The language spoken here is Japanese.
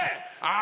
あ！